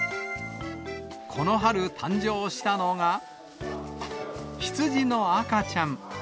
この春、誕生したのが、ヒツジの赤ちゃん。